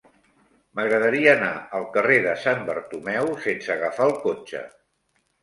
M'agradaria anar al carrer de Sant Bartomeu sense agafar el cotxe.